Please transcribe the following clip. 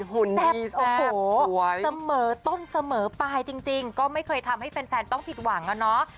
หุ่นนี้แซ่บต้นเสมอไปจริงก็ไม่เคยทำให้แฟนต้องผิดหวังอะเนาะ